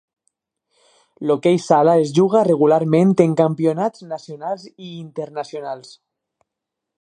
L'hoquei sala es juga regularment en campionats nacionals i internacionals.